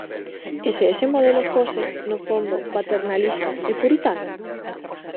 E se ese modelo fose, no fondo, paternalista e puritano?